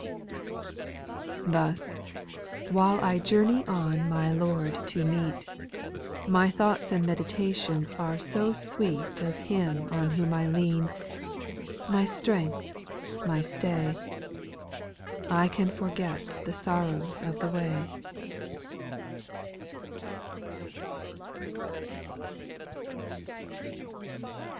Thus, while I journey on my Lord to meet, My thoughts and meditations are so sweet Of Ilim on whom I lean, my strength, my stay, / can forget the sorrows of the way.